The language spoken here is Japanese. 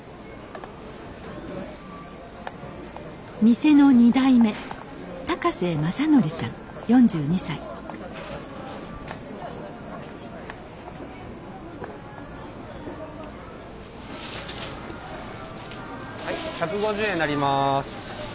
店の２代目はい１５０円になります。